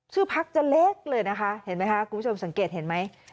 พักจะเล็กเลยนะคะเห็นไหมคะคุณผู้ชมสังเกตเห็นไหม